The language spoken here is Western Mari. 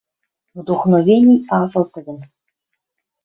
Вдохновений агыл тӹдӹн